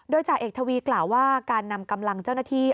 โดยจ่าเอกทวีกล่าวว่าการนำกำลังเจ้าหน้าที่